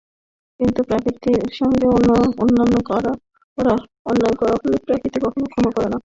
কিন্তু প্রকৃতির সঙ্গে অন্যায় করা হলে প্রকৃতি কখনো ক্ষমা করবে না।